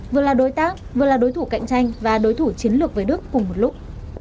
vừa là đối tác vừa là đối thủ cạnh tranh và đối thủ chiến lược với đức cùng một lúc